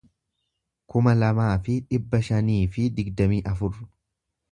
kuma lamaa fi dhibba shanii fi digdamii afur